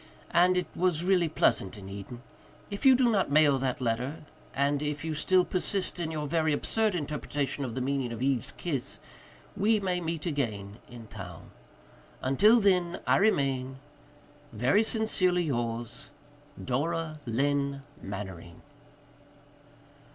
And it was really pleasant in Eden. If you do not mail that letter, and if you still persist in your very absurd interpretation of the meaning of Eve's kiss, we may meet again in town. Until then I remain, "Very sincerely yours, "Dora Lynne Mannering."